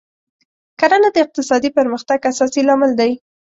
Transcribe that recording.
کرنه د اقتصادي پرمختګ اساسي لامل دی.